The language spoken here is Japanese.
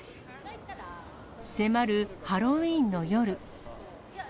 迫るハロウィーンの夜。